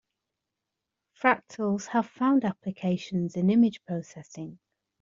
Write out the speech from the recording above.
Fractals have found applications in image processing.